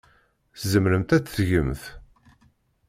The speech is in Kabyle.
Tzemremt ad t-tgemt.